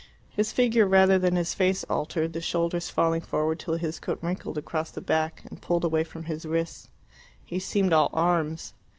His figure rather than his face altered, the shoulders falling forward till his coat wrinkled across the back and pulled away from his wrists. He seemed all arms.